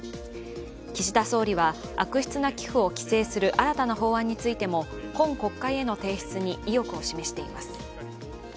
岸田総理は、悪質な寄付を規制する新たな法案についても、今国会への提出に意欲を示しています。